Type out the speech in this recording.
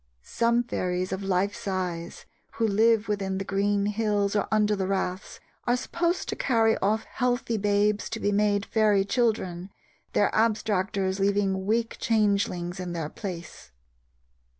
Some fairies of life size, who live within the green hills or under the raths, are supposed to carry off healthy babes to be made fairy children, their abstractors leaving weak changelings in their place.